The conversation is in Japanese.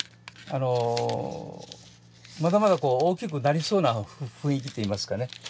まだまだ大きくなりそうな雰囲気っていいますかね